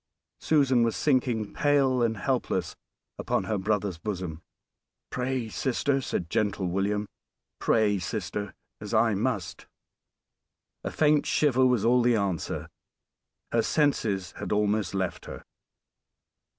Susan was sinking pale and helpless upon her brother's bosom. "Pray, sister," said gentle William; "pray, sister, as I must." A faint shiver was all the answer; her senses had almost left her.